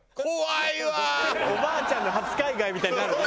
おばあちゃんの初海外みたいになるね。